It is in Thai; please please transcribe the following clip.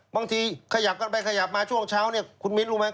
บางทีขยับกันไปขยับมาช่วงเช้าเนี่ยคุณมิ้นรู้ไหม